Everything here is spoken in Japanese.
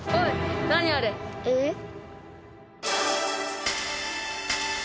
えっ？